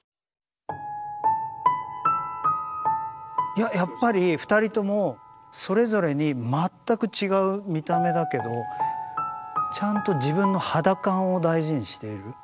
いややっぱり２人ともそれぞれに全く違う見た目だけどちゃんと自分の肌感を大事にしている。